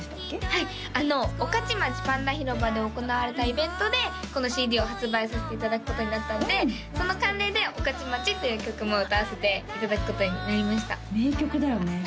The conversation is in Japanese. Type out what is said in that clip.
はいおかちまちパンダ広場で行われたイベントでこのＣＤを発売させていただくことになったのでその関連で「おかちまち」という曲も歌わせていただくことになりました名曲だよね